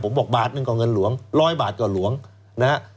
ผมบอกบาทนึงก็เงินหลวงร้อยบาทกว่าหลวงนะฮะ